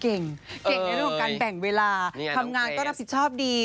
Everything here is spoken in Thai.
เก่งในโรครองค์การแบ่งเวลาทำงานก็น่าผิดชอบดี